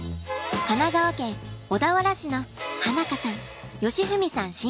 神奈川県小田原市の花香さん喜史さん